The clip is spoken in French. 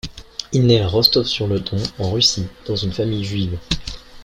Il naît à Rostov-sur-le-Don, en Russie, dans une famille juive.